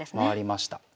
回りました。